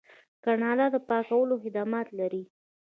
کاناډا د پاکولو خدمات لري.